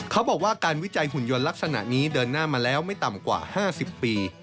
เขาบอกว่าการวิจัยหุ่นยนต์ลักษณะนี้เดินหน้ามาแล้วไม่ต่ำกว่า๕๐ปี